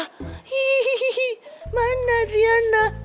kalau ntar papa ngajak ngajak aku di pesta